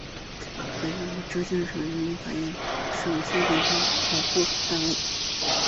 皕宋楼已被浙江省人民政府列为浙江省省级文物保护单位。